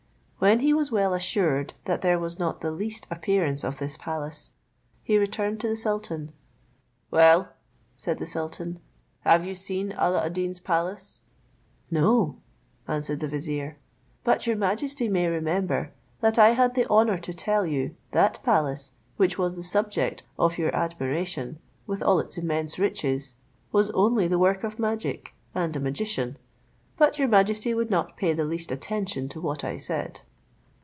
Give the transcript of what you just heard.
When he was well assured that there was not the least appearance of this palace, he returned to the sultan. "Well," said the sultan, :have you seen Alla ad Deen's palace?" "No," answered the vizier; "but your majesty may remember that I had the honour to tell you, that palace, which was the subject of your admiration, with all its immense riches, was only the work of magic and a magician; but your majesty would not pay the least attention to what I said."